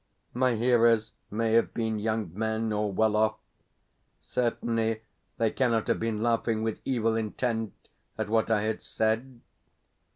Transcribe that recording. My hearers may have been young men, or well off; certainly they cannot have been laughing with evil intent at what I had said.